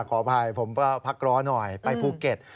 ขออภัยผมก็พักร้อนหน่อยไปภูเก็ต